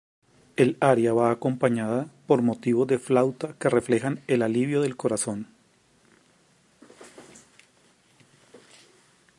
El aria va acompañada por motivos de flauta que reflejan el alivio del corazón.